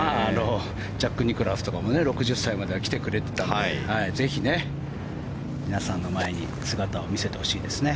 ジャック・ニクラウスとかも６０歳までは来てくれていたのでぜひ、皆さんの前に姿を見せてほしいですね。